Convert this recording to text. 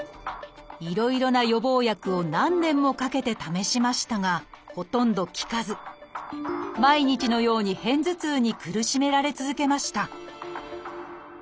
いろいろな予防薬を何年もかけて試しましたがほとんど効かず毎日のように片頭痛に苦しめられ続けました